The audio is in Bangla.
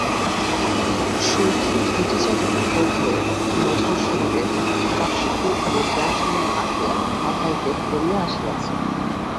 শৌখিন ধুতিচাদরের বদলে নধর শরীরে পার্শি কোট ও প্যাণ্টলুন আঁটিয়া মাথায় ক্যাপ পরিয়া আসিয়াছে।